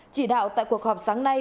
chỉ đạo tại cuộc họp sáng nay